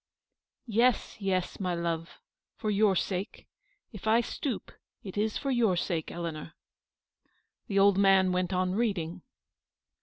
" Yes, yes, my love, for your sake ; if I stoop, it is for your sake, Eleanor." The old man went on reading.